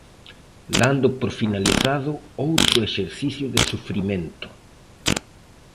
Dando por finalizado outro exercicio de sufrimento.